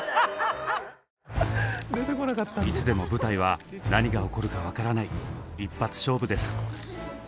いつでも舞台は何が起こるか分からない一発勝負です。